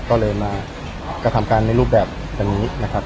ก็เลยมากระทำการในรูปแบบนี้